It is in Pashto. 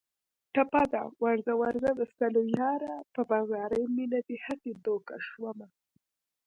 ټپه ده: ورځه ورځه د سلو یاره په بازاري مینه دې هسې دوکه شومه